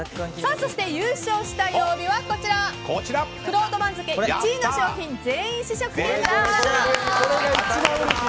そして優勝した曜日はこちらくろうと番付１位の商品、全員試食券。